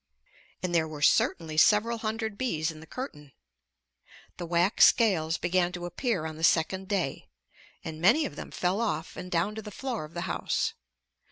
And there were certainly several hundred bees in the curtain. The wax scales began to appear on the second day. And many of them fell off and down to the floor of the house.